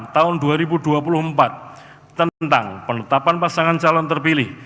tahun dua ribu dua puluh empat tentang penetapan pasangan calon terpilih